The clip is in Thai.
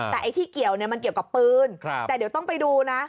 แต่ไอ้ที่เกี่ยวเนี่ยมันเกี่ยวกับปืนแต่เดี๋ยวต้องไปดูนะ